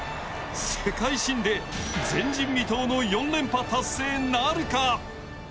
世界新で前人未到の４連覇なるか。